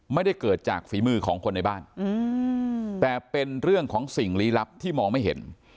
ไม่ได้เกิดจากฝีมือของคนในบ้านแต่เป็นเรื่องของสิ่งลี้ลับที่มองไม่เห็น